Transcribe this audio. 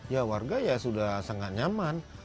ya warga ya sudah sangat nyaman